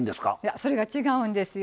それが違うんですよ。